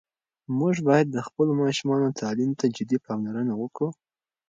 موږ باید د خپلو ماشومانو تعلیم ته جدي پاملرنه وکړو.